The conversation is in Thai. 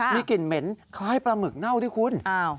มีกลิ่นเหม็นคล้ายปลาหมึกเน่าด้วยคุณ